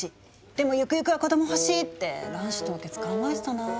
でもゆくゆくは子ども欲しい」って卵子凍結考えてたな。